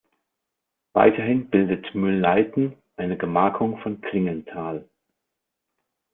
Weiterhin bildet Mühlleithen eine Gemarkung von Klingenthal.